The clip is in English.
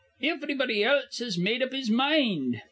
Ivrybody else has made up his mind.